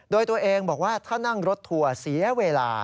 โดยตัวเองบอกว่าถ้านั่งรถทัวร์เสียเวลา